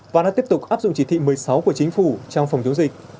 và đang tiếp tục áp dụng chỉ thị một mươi sáu của chính phủ trong phòng chống dịch